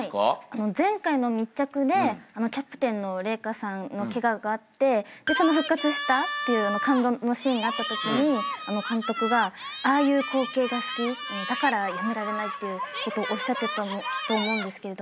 前回の密着でキャプテンの麗華さんのケガがあって復活したっていう感動のシーンがあったときに監督がああいう光景が好きだからやめられないってことおっしゃってたと思うんですけれど。